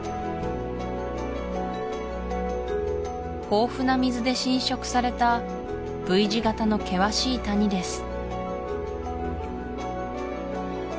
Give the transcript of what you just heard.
豊富な水で浸食されたＶ字形の険しい谷です